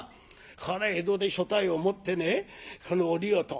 これ江戸で所帯を持ってねそのおりよと。